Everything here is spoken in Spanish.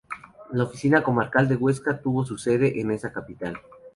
La Oficina Comarcal de Huesca tuvo su sede en esa capital.